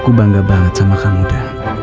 aku bangga banget sama kamu da